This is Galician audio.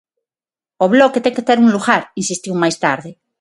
"O Bloque ten que ter un lugar", insistiu máis tarde.